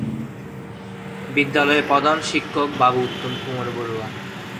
বিদ্যালয়ের প্রধান শিক্ষক বাবু উত্তম কুমার বড়ুয়া।